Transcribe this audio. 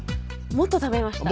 もっと食べました